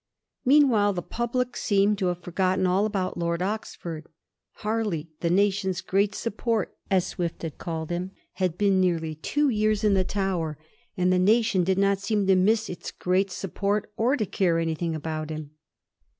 MeanwhHiE the public seemed to have forgotten all about Lord Oxford. ^ Harley, the nation's great support/ as Swift had called him, had been nearly two years in the Tower, and the nation did not seem to miss its great support, or to care anything about him.